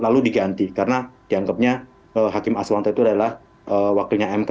lalu diganti karena dianggapnya hakim aswanto itu adalah wakilnya mk